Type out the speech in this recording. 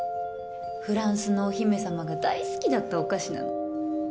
フランスのお姫様が大好きだったお菓子なの。